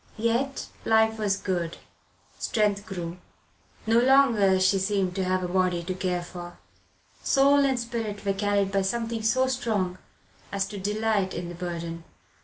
Yet life was good; strength grew. No longer she seemed to have a body to care for. Soul and spirit were carried by something so strong as to delight in the burden.